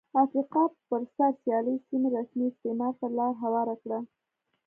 افریقا پر سر سیالۍ سیمې رسمي استعمار ته لار هواره کړه.